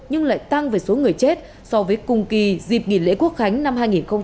nhưng lại tăng về số người chết so với cùng kỳ dịp nghỉ lễ quốc khánh năm hai nghìn một mươi chín